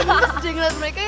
gini aja ngeliat mereka ya